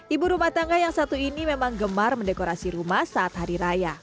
ibu rumah tangga yang satu ini memang gemar mendekorasi rumah saat hari raya